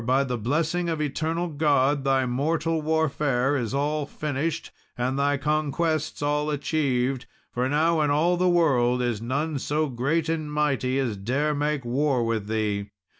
by the blessing of Eternal God, thy mortal warfare is all finished, and thy conquests all achieved; for now in all the world is none so great and mighty as to dare make war with thee.